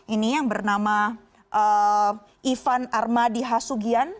ini yang bernama ivan armadi hasugian